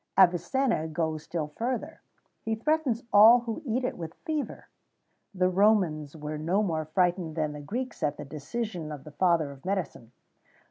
[XVII 43] Avicenna goes still further: he threatens all who eat it with fever.[XVII 44] The Romans were no more frightened than the Greeks at the decision of the father of medicine.